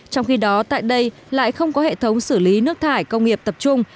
trong khi đó tại đây lại không có hệ thống xử lý nước thải công nghiệp tập trung